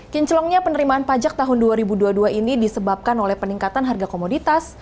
kinclongnya penerimaan pajak tahun dua ribu dua puluh dua ini disebabkan oleh peningkatan harga komoditas